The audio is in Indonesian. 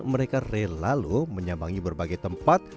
mereka rela loh menyambangi berbagai tempat